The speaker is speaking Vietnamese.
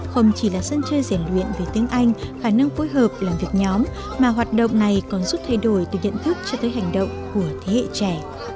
không chỉ là sân chơi giải luyện về tiếng anh khả năng phối hợp làm việc nhóm mà hoạt động này còn giúp thay đổi từ nhận thức cho tới hành động của thế hệ trẻ